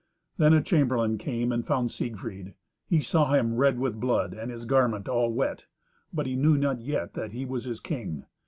Then a chamberlain came and found Siegfried. He saw him red with blood, and his garment all wet, but he knew not yet that he was his king.